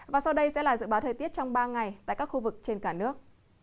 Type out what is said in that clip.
và sau đây sẽ là dự báo thời tiết trong ba ngày tại các khu vực trên cả nước